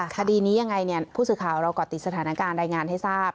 คดีนี้ยังไงเนี่ยผู้สื่อข่าวเราก่อติดสถานการณ์รายงานให้ทราบ